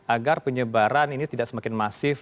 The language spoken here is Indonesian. agar penyebaran ini tidak semakin masif